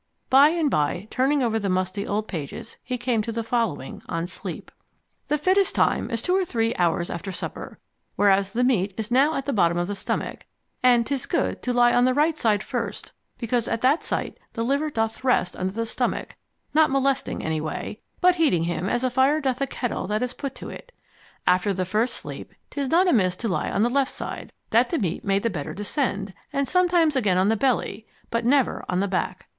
By and by, turning over the musty old pages, he came to the following, on Sleep The fittest time is two or three hours after supper, whenas the meat is now settled at the bottom of the stomach, and 'tis good to lie on the right side first, because at that site the liver doth rest under the stomach, not molesting any way, but heating him as a fire doth a kettle, that is put to it. After the first sleep 'tis not amiss to lie on the left side, that the meat may the better descend, and sometimes again on the belly, but never on the back.